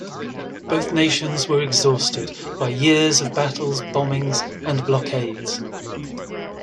Both nations were exhausted by years of battles, bombings and blockades.